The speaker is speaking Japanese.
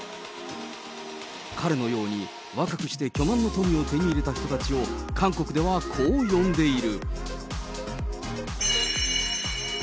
彼のように若くして巨万の富を手に入れた人を韓国ではこう呼んでいる。